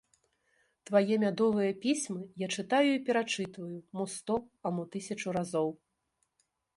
Твае мядовыя пісьмы я чытаю і перачытваю мо сто, а мо тысячу разоў.